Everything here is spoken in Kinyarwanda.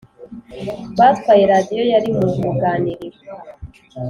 batwaye radiyo yari mu ruganiriro